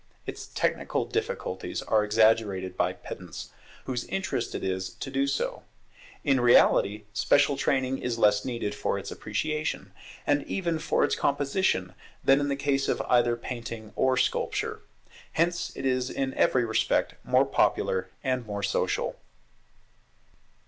Its technical difficulties are exaggerated by pedants, whose interest it is to do so; in reality, special training is less needed for its appreciation, and even for its composition, than in the case of either painting or sculpture. Hence it is in every respect more popular and more social.